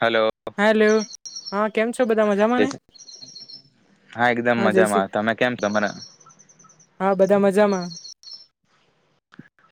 Hello. હા હે હા કેમ છો બધા મજામાંને હા એકદમ મજામાં તમે કેમ છો. હા બધા મજામા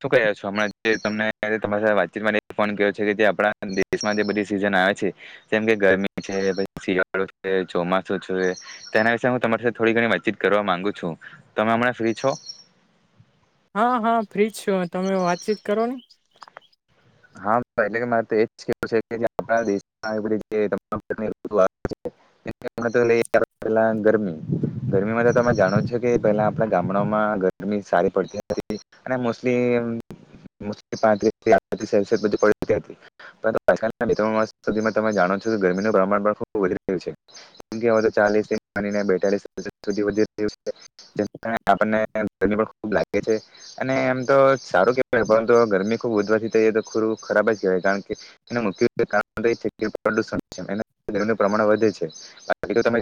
શું ક છો હમણાં જે તમને તમારી વાતચીત માટે ફોન કર્યો છે, કે જે આપણા દેશમાં જે બધી સિઝન આવે છે. જેમ કે ગરમી છે પછી શિયાળો છે ચોમાસું છે. તે એના વિશે હું તમારી સાથે થોડી ઘણી વાતચીત કરવા માંગુ છુ, તમે હમં ફ્રી છો. હા હા ફ્રીજ છો તમે વાતચીત કરોને હા એટલે કે મારે તો એજ કેવું છે, કે આપણા દેશ પ ગરમી ગરમીમાં તો તમે જાણો છો કે પેલા આપણા ગામડામા ગરમી સારી પડતી હતી અને મુસ્લી મુસ્મ પા હતી. પરંતુ બે ત્રણધમાં તમે જાણો છો, કે ગરમીનુ પ્રમાણ પણ ખૂબ વધી રહ્યું છે. કે તો ચાલીસ માની બેતાલીસ સુવધી રહ આપને પણ ખુબ લાગે છે. અને એમ તો સારું કેવાય પરંતુ ગરમી ખુબ વધવાથી તો ખોરું ખરાબજ કહેવાય કારણ કે એ મુખ્ય કારણનું પ્રમાણ વધે છે. બાકીતો તમે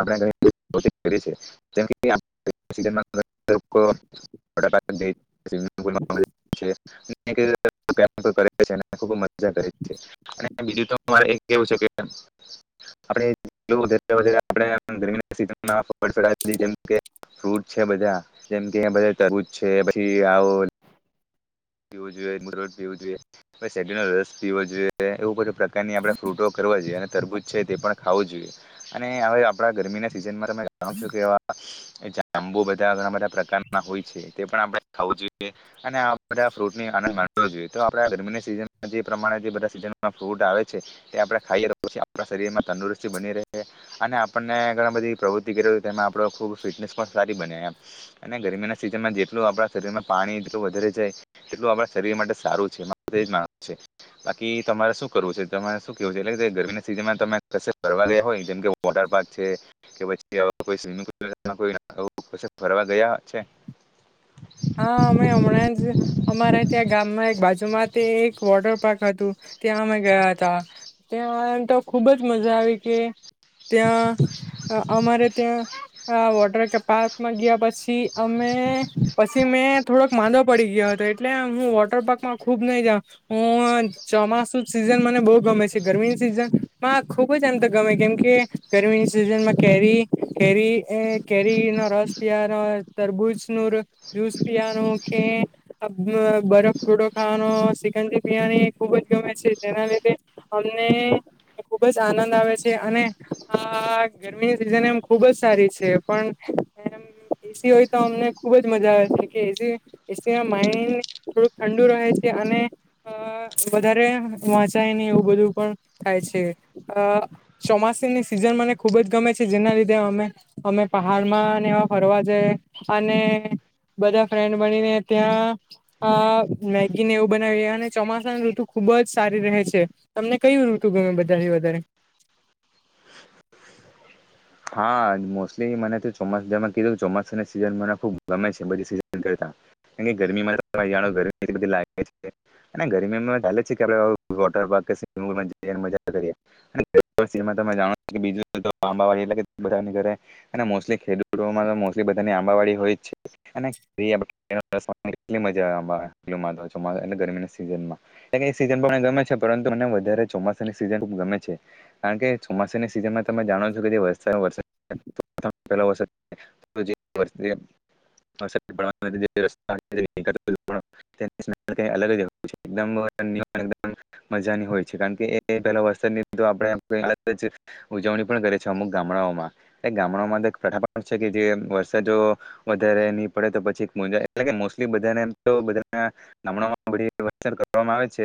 આપ કરી છે. [unintelligible] રી કરે છે અને ખૂબ મજા કરે છે. અને બીજું તો મારે એક કેવું છે, કે આપણે આપ ગરમી સઝનમાં ફ ફ જેમ કે ફ્રૂટ છે બધા જેમ કે બધ તુ છે પછી આવો પીવો જોઈએ પીવો જોઈએ પછ શે રસ પીવો જોઈએ એવુ પ્રકારની આપણે ફ્રૂટો કરવા જોઈએ અને તરબૂજ છે તે પણ ખાવું જોઈએ અને હવે આપણા ગરમીના સિઝનમાં. સમગ શુંકેવા એછ. આંબુ બધા ઘણા બધા પ્રકારના હોય છે તે પણ આપણે ખાવું જોઈએ અને. આ ફ્રૂટ આનંદ માવો જોઈએતો આપડે આ ગરમીની સિઝનમાં જે પ્રમાણે જે બધા સિઝનમાં ફ્રૂટ આવે છે. તે આપણે ખાઈ રહ્યું છે આપણા શરીરમાં તંદુરસ્તી બની રહે છે અને આપણને ઘણા બધી. પ્રવૃત્તિ કરે તેમાં આપણો ખૂબ ફિટનેસ પણ સારી બને એમ. અને ગરમીના સિઝનમાં જેલ આપણા શરીરમાં પાણી એટલું વધારે. એટલું આપણા શરીર માટે સારું છે એમા છે. બાકી તમારે શું કરવું છે તમારે શું કેવું છે એટલે ગરમી ના સિઝનમાં તમે ભરવાયા હોયમ વોટર પાર્ક છે. કે પછી કોઈ સ્વિમિંગ પુલ કો ફરવા ગયા છે. હા અમે હમણાં જ અમારા ત્યાં ગામમાં એક બાજુમાંજ તે એક વોટર પાર્ક હતું ત્યાં મે ગયા હતા ત્યાંમ તો ખુબ જ મજા આવી કે ત્યાં અમારે ત્યાં વોટર પાર્કમાં ગયા પછી અમે પછી મેં થોડોક માંદો પડી ગયો હતો એટલે હું વોટર પાર્ક માં ખુબ નહી જ હું ચોમાસું છે સઝન મને બહુ ગમે છે ગરમીની સિઝન માં ખુબ જ અંત ગમે કેમ કે ગરમીની સિઝનમાં કેરી કેરી એ કેરી નો રસ પ નો તરબૂજ નું રસ જ્યુસ પિયાનો કે બરફોટો ખાવાનો સિકજી બિરિયાની ખુબ જ ગમે છે તેના લીધે અમને ખુબ જ આનંદ આવે છે અને આ ગરમીની સિઝન એમ ખુબ જ સારી છે પણ એમ એસી હોય તો અમને ખુબજ મજા આવે માઇન્ડ થોડુંક ઠંડુ રહે છે અને અ વધારે વાંચાય નહી એવું બધું પણ થાય છે અ ચોમાસાની સિઝન મને ખુબ જ ગમે છે જેના લીધે અમે અમે પહાડમાં ને એવા ફરવા જાય અને બધા ફ્રેન્ડ બનીને ત્યાં આ મેગી ને એવું બનાવીએ અને ચોમાસાની ઋતુ ખુબ જ સારી રહે છે. તમને કયું ઋતુ ગમે બધાથી વધારે? હા મોસ્ટલી મને તો ચોમાસામાં કીધું ચોમાસા સીઝન મને ખબ ગમે છે બધ સ કરતા ગરમીમાં તો જાણો ગરમી બધી લાગે છે. ગરમીમાં લે જ છે કે આપડ વોટર પાર્ક કે સ્વિમિંગુલ જને મજા કરીએ [unintelligible] તમે જાણો છ બીજું એટ બધાની ઘરે અને મોસ્ટલી ખેડૂતોમાં તો મોલી બધાની આંબાવાળી હોય જ છે. કેટલી મજા આવે ગરમી ના સીઝનમાં એ સીઝન પણ મ ગમે છે પરંતુ મને વધારે ચોમાસાની સિઝન ગમે છે. કારણ કે ચોમાસાની સિઝનમાં તમે જાણો છો કે જે વસ્તુ વર્ પહે વર્દ [unintelligible] [unintelligible] ણ રસ્તા. ક અલગ [unintelligible] જ મજાની હોય છે કારણ કે એ પેલા વરસાદ તો આપે ઉજવણી પણ કરે છે અમુક- ગામડાઓમાં એ ગામડાઓમાં તો પઠા છે કે જે વરસાદ જો વધારે નહી પડે તો પછી મા એટલે મોસ્ટલી બધા ગામણામાં વધી કરવામાં આવે છે.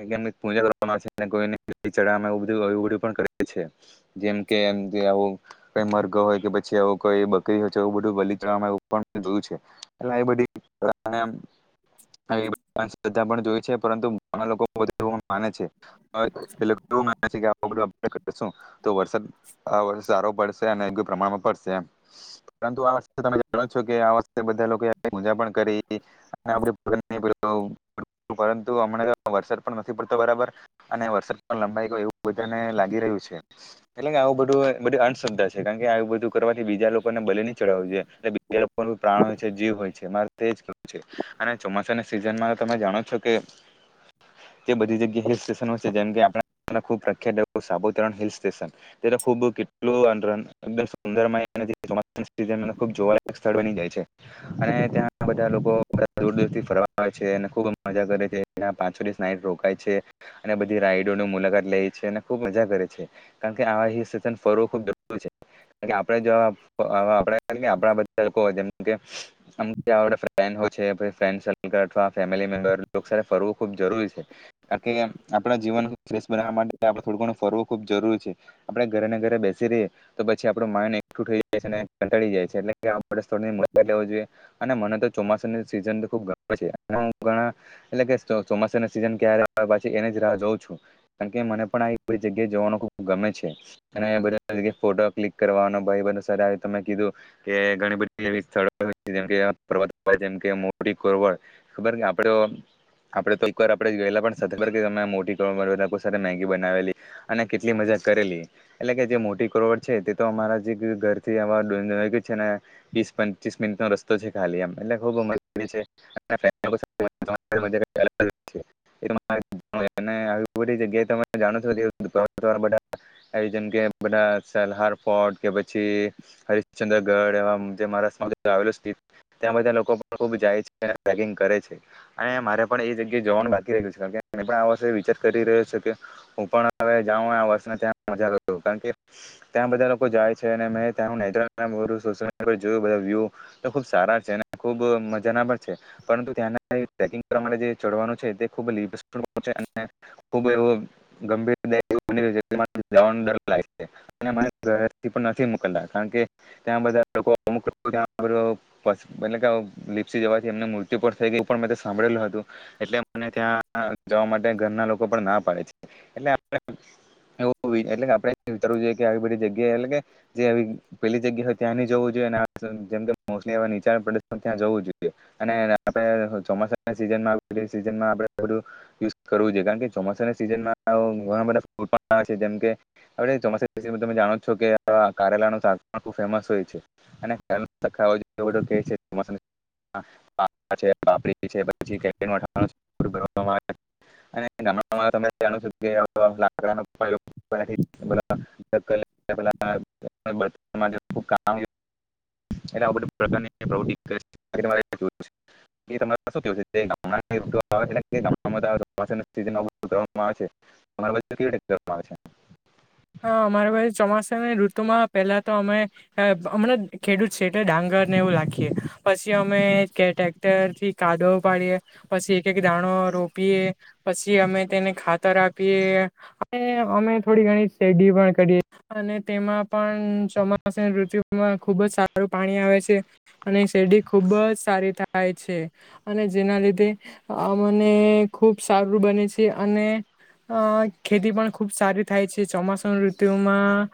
[unintelligible] મ પૂજા કરવામાં છે કોઈ ચ પણ કરે છે. જેમ કે કે આવું કઈ મર્ગ હોય કે પછી આવું કોઈ બકરી હોય એવું બધું બલિત્રણમાં જોયું છે. એટ આવી બધી્ર્ધા પણ જોય છે પરંતુ અ લોકો માને છે. [unintelligible] તો વરસાદ સારો પડશે અને એ પ્રમાણમાં પડશે પરંતુ આ વતે તમે જાણો છો કે આ વતે બધા લોકો મજા પણ કરી [unintelligible] પરંતુ હમણાં વરસાદ પણ નથી પડતો બરાબર અને વરસાદ પણ લંબાઈ ગયો એવું બધાને લાગી રહ્યું છે એટલે કે આવું બધું બધી અંધ શ્રદ્ધા છે કારણ કે આ બધું કરવાથી બીજા લોકોને બલી ની ચડાવવ જોઈએ એ એ લોકો પ્રાણ હોય છે જીવ હોય છે મારે તો એ જ કેવું છે. અને ચોમાસાની સિઝનમાં તો તમે જાણો છો કે તે બધી જગ્યા હિલ સ્ટેશનો છે જેમ કે આપણા ખુબ પ્રખિયાત સાપુતારા હિલ સ્ટેશન ખૂબ [unintelligible] જોવાલાયક સ્થળ બની જાય છે અને ત્યાં બધા લોકો બધા દૂર દૂર થી ફરવા આવે છે અને ખુબ મજા કરે છે નિયા પાંચ છ દિવશ નાઇટ રોકાય છે અને બધી રાઈડોની મુલાકાત લે છે અને ખુબ મજા કરે છે કારણ કે આવા ફરવો ખુબ જછે આપણેે જો આપ આપણા બધા લોકો હોય જેમ કે મ ફલથવા ફેમલી હોયે છે અથવા ફેમિલી મેમ્બ ફરવું ખુબ જરૂરી છે કારણ કે આપણા જીવન ફેશ બનાવવા માટે આપ થોડું ઘણું ફરવું ખુબ જરૂરી છે આપડે ઘરે ને ઘરે બેસી રહીએ તો પછી આપડું માઇડ એકઠું થઈ જાય છે અને કંટાી જાય છે એટ સ્થળો ની મુલાકાત લેવી જોઈએ અને મને તો ચોમાસુ ની સીઝન ખુબ ગમે છે એટલે કે ચોમાસાના સીઝન ક્યારે આવે પછી એને જ રાહ જોઉં છું કારણ કે મને પણ આ જગ્યાએ જવાનું ખુબ ગમે છે અને બધા ફોટો ક્લિક કરવાનો ભાઈ બધ સર તમે કીધું કે ઘણી બધી એવી સ્થળો જેમ કે જેમ કે મોટી પ્રવાશ ખબર ને આપડે આપડે તો એક વાર આપડે ગયેલા સર ત મોટી લોકો સાથે મેગી બનાવેલી અને કેટલી મજા કરેલી એટલે કે જે મોટી કરોડ છે તે તો અમારા જે ઘરથી નજીક આવા છે ને વીસ પચ્રીસ મિનિટ નો રસ્તો છે ખાલી આમ એટલે ખુબ [unintelligible] છે બધી જગ્યાએ તમે જાણો છોા આયોજન કે બધા સલહર ફોટ કે પછી હરિશ્ચંદ્રગઢ એ જે મહારાષ્રમાં આવેલો ત્યાંના બધા લોકો પણ ખુબ જાય છે ને ટ્રેન્કીંગ કરે છે અને મારે પણ એ જગ્યાએ જવાનું બાકી રહ્યું છે કારણ કે પણ આ વર્ષે વિચાર કરી રહ્યો છે કે હું પણ હવે જાઉં આ વર્ષ ત્યાં મજા લ કારણ કે ત્યાં બધા લોકો જાય છે અને મે ત્યાં નેચરણ [unintelligible] વિયુ તો ખુબ સારા છે ખુબ મજા ના પણ છે પરંતુ ત્યાંના ટ્રેકિંગ કરવા માટે જે ચડવાનું છે તે ખુબ [unintelligible] છે અને ખુબ એવું ગંભીર [unintelligible] [unintelligible] અને મને ઘરે થી પણ નથી મોકલતા કારણ કે ત્યાં બધા લોકો અમુક ત્યાં [unintelligible] પ એટલે કે લીપ્સી જવાથી એમને મૃત્યુ પર થઈ ગયુ એ પણ મે સાંભળેલું હતું એટલે મને ત્યાં જવા માટે ઘરના લોકો પણ ના પાડે છે એટલે એવું એટલે આપડે વિચારવું જોઈએ કે આવી બધી જગ્યાએ એટલે કે જે એવી પેલી જગ્યા હોય ત્યાં ન જવું જોઈએ અને જેમ મોલી નીચાણ પ્રદેશ ત્યાં જવું જોઈએ અને આપડે ચોમાસા ના સિઝનમાં સીઝનમાં આપડે બધું યુઝ કરવું જોઈએ કારણ કે ચોમાસાના સિઝનમાં ઘણા બધા [unintelligible] આવે છે જેમ કે આપડ ચોમાસા વિ તમે જાણો છો કેારેલાનું શાક ખુબ ફેમસ હોય છે અને [unintelligible] બધો કે છે હ બાપડી છે પી [inaudible] અને ગ ત જાણ છ કે [inaudible] ઉપયોગ [inaudible] બધા કામ [inaudible] એટલે બધ પ્રકારની પ્ર [inaudible] એ તમા શું છેઋ આવેવામાં આવે છે [inaudible] [inaudible] હા અમારા પછી ચોમાસાની ઋતુમાં પેલા તો અમે અ હમણાં ખેડૂત છે એટલે ડાંગરને એવું રાખીએ પછી અમે ટે ટ્રેક્ટર થી કાદવ ઉપાડીએ પછી એક એક દાણો રોપીએ. પછી અમે તેને ખાતર આપીએ અને અમે થોડી ઘણી શેડી પણ કરીએ. અને તેમાં પણ ચોમાસા ઋતું માં ખુબ જ સારું પાણી આવે છે. અને શેરડી ખુબ જ સારી થાય છે. અને જેના લીધે અમને ખુબ સારું બને છે અને અ ખેતી પણ ખુબ સારી થાય છે ચોમાસાન ઋતુમાં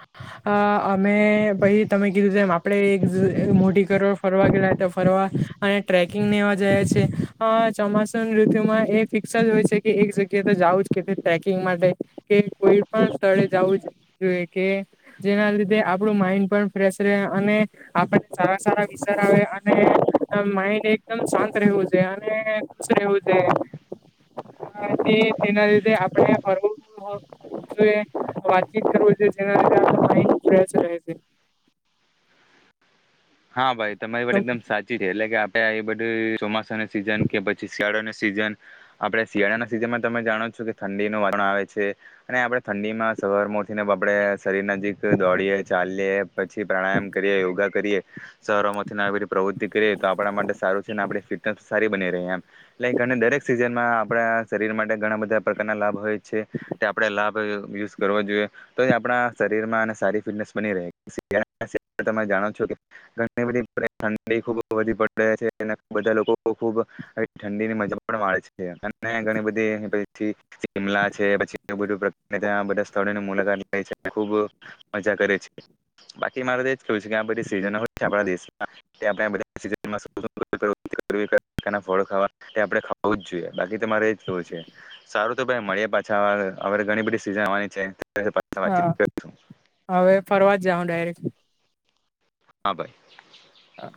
અ અમે પહિ તમે કીધું તેમ આપડે એક મોટી કરો ફરવા ગેલા તા ફરવા અને ટ્રેકિંગ ને એવા જયા છે અ ચોમાસુ ઋતુંમાં એ ફિક્સ જ હોય છે કે એક જગ્યાએ તો જાઉ જ કેે ટ્રેકિંગ માટે કે કોઈ પણ સ્થળે જાવું જોઈએ કે. જેના લીધે આપણું માઈન્ડ પણ ફ્રેશ રહે અને આપને સારા સારા વિચાર આવે અને એમ માઇન્ડ એકદમ શાંત રહેવું છે અને સ્વસ્થ રેવું છે [inaudible] હ તે તેના લીધે આપણે ફરવું [unintelligible] જોએ વાતચીત કરવું છે જેના લીધે આપણુ માઇન્ડ ફેશ રહે છે. હા ભાઈ તમારી તો વાત એકદમ સાચ છે એટલે કે આપડે એ બધું ચોમાસા સીઝન કે પછી શિયાળાને સીઝન આપણે શિયાળાના સિઝનમાં તમે જાણો છો કે ઠંડીનું વાતઆવરણ આવે છે. અને આપડે ઠંડી માં સવારમ ઉઠીને આપડે શરીર નજીક દોડીએ ચાલીએ પછી પ્રાણાયામ કરીએ યોગા કરીએ. શરોમાંથીવી બધી પ્રવૃત્તિ કરીએ તો આપણા માટે સારું છે ને આપ ફિટનેસ સારી બની રહી એમ. લે અને દરેક સિઝનમાં આપણા શરીર માટે ઘણા બધા પ્રકારના લાભ હોય છે તે આપડે લાભ વ્યુઝ કરવા જોઈએ. તો એ આપણા શરીર માં અને સારી ફિટનેસ બની રહે શિયાળા ની સીઝન માં તમે જાણો છો કે. ઘણી બધી પ્રકાર ની ખુબ વધી પડ્યા છે ના બધા લોકો ખુબ. હવે ઠંડી ની મજા પણ માળે છે અને ઘણી બધી પીઠી શિમલા છે પછી બઘું પ્રકાર ત્યાં બધા સ્થળોની મુલાકાત લે છે ખુબ મજા કરે છે બાકી મારે તો એજ કેવું છે કે આ બધી સિઝનોય છે આપણા દેશમાં આપડે બધા સીઝન માં સુંદર [unintelligible] ફળો ખાવા કે આપડે ખાવું જ જોઈએ બાકી તો મારે એ જ કેવું છે. સારું તો ભ મળી પાછા હ ઘણી બધી સિઝન આવાની છે પછી પાછા વાતચીતું હા કરીશું હવે ફરવા જાહું ડાયરેક્ટ હા ભાઈ. હા.